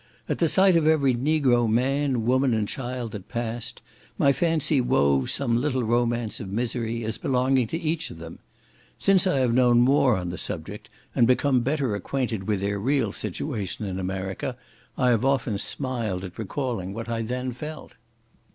At the sight of every Negro man, woman, and child that passed, my fancy wove some little romance of misery, as belonging to each of them; since I have known more on the subject, and become better acquainted with their real situation in America, I have often smiled at recalling what I then felt.